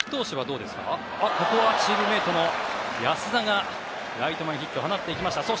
チームメートの安田がライト前ヒットを放っていきました。